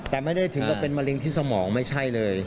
แต่ไม่ได้ถึงกับเป็นมะเร็งที่สมองไม่ใช่เลย